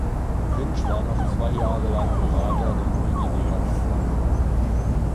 Finsch war noch zwei Jahre lang Berater der Neuguinea-Kompagnie.